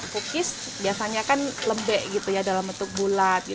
cookies biasanya kan lembek gitu ya dalam bentuk bulat